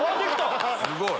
すごい！